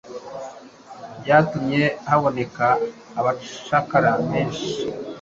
byatumye haboneka abacakara benshi.